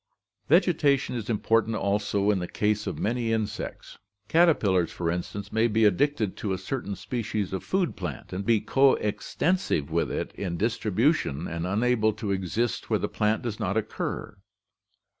Vegetation is important also in the case of many insects; cater pillars, for instance, may be addicted to a certain species of food plant and be coextensive with it in distribution and unable to exist where the plant does not occur.